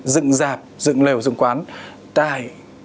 dựng rạp dựng nèo dựng quán tại